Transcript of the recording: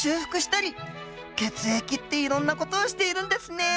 血液っていろんな事をしているんですね。